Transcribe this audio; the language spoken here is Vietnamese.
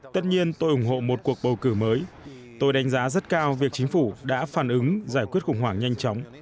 tất nhiên tôi ủng hộ một cuộc bầu cử mới tôi đánh giá rất cao việc chính phủ đã phản ứng giải quyết khủng hoảng nhanh chóng